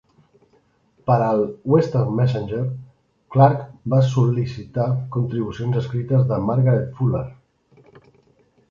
Per al "Western Messenger", Clarke va sol·licitar contribucions escrites de Margaret Fuller.